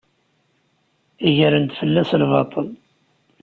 Gren-d fell-as lbaṭel.